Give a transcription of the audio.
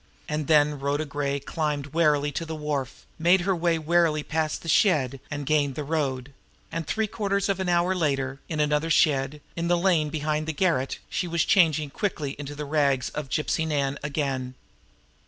And then Rhoda Gray climbed warily to the wharf, made her way warily past the shed, and gained the road and three quarters of an hour later, in another shed, in the lane behind the garret, she was changing quickly into the rags of Gypsy Nan again.